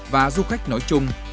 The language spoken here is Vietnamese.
và du khách nói chung